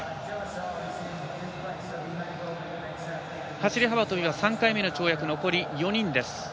走り幅跳びは３回目の跳躍残り４人です。